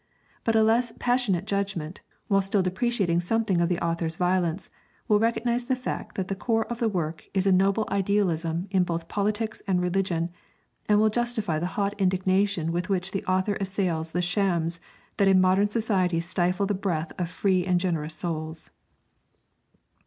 But a less passionate judgment, while still deprecating something of the author's violence, will recognize the fact that the core of the work is a noble idealism in both politics and religion, and will justify the hot indignation with which the author assails the shams that in modern society stifle the breath of free and generous souls.